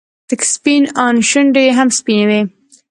تک سپين ان شونډې يې هم سپينې وې.